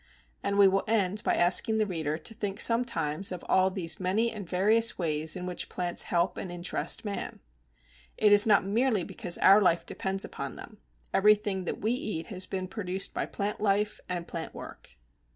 And we will end by asking the reader to think sometimes of all these many and various ways in which plants help and interest man. It is not merely because our life depends upon them. Everything that we eat has been produced by plant life and plant work.